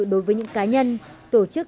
đối với những cá nhân tổ chức